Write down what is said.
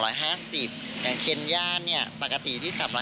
อย่างเคนย่านปกติที่๓๕๐